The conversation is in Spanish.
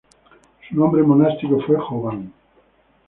Su nombre monástico fue Jovan.